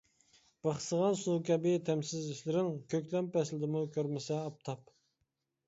بىخسىغان سۇ كەبى تەمسىز ھېسلىرىڭ، كۆكلەم پەسلىدىمۇ كۆرمىسە ئاپتاپ.